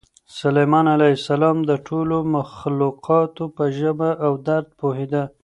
سلیمان علیه السلام د ټولو مخلوقاتو په ژبه او درد پوهېده.